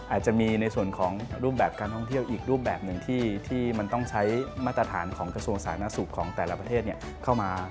อาจจะมีในส่วนของรูปแบบการท่องเที่ยวอีกรูปแบบหนึ่งที่มันต้องใช้มาตรฐานของกระทรวงสาธารณสุขของแต่ละประเทศเข้ามา